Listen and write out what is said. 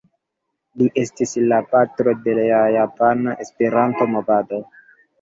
Li estis la patro de la Japana Esperanto-movado.